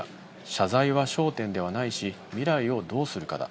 謝罪は焦点ではないし、未来をどうするかだ。